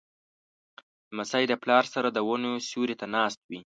لمسی د پلار سره د ونو سیوري ته ناست وي.